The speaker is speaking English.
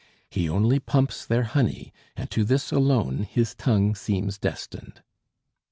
He only pumps their honey, and to this alone his tongue seems destined.